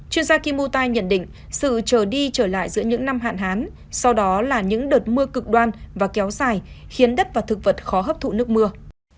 chuyên gia kimutan nhận định sự trở đi trở lại giữa những năm hạn hán sau đó là những đợt mưa cực đoan và kéo dài khiến đất và thực vật khó hấp thụ nước mưa